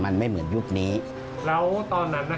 เชิญติดตามรัวของคุณต้นจะน่าสนใจขนาดไหน